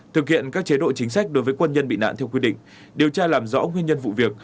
thực hiện các chế độ chính sách đối với quân nhân bị nạn theo quy định điều tra làm rõ nguyên nhân vụ việc